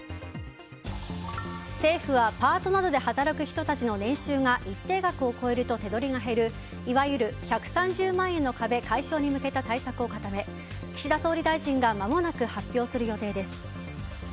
政府はパートなどで働く人たちの年収が一定額を超えると手取りが減るいわゆる１３０万円解消に向けた対策を固め、岸田総理大臣がまもなく発表する予定です。